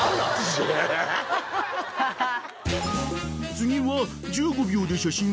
［次は］